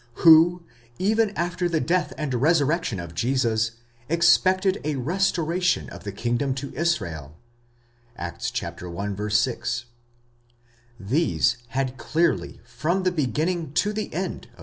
who, even after the death and resurrection of Jesus, expected a restoration of the kingdom to Israel {Acts i, 6) ;—these had clearly from the beginning to the end of their inter.